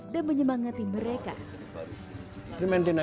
dan menjaga kemampuan